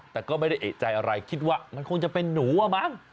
แต่ก็ไม่ได้เอกใจอะไรคิดว่ามันคงจะเป็นหนูอะมั้ง